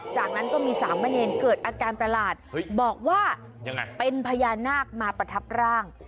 จากนั้นก็มีสามเณรเกิดอาการประหลาดบอกว่าเป็นพญานาคมาประทับร่าง